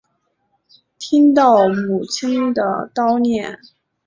听到母亲的叨念